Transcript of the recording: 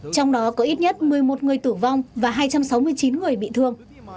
trong đó có ít nhất một mươi một người tử vong và hai trăm sáu mươi chín người bị thương